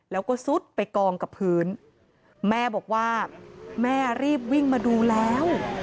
แล้วก็ซุดไปกองกับพื้นแม่บอกว่าแม่รีบวิ่งมาดูแล้ว